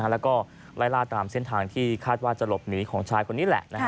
แล้วก็ไล่ล่าตามเส้นทางที่คาดว่าจะหลบหนีของชายคนนี้แหละ